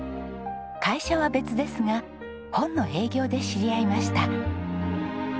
会社は別ですが本の営業で知り合いました。